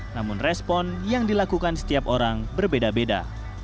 namun respon yang dilakukan setiap orang berbeda beda